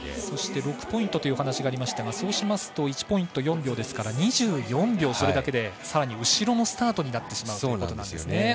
そして６ポイントというお話がありましたがそうしますと１ポイント４秒ですから２４秒さらに後ろのスタートになってしまうということなんです。